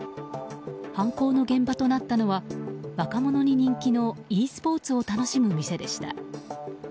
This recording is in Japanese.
犯行の現場となったのは若者に人気のｅスポーツを楽しむ店でした。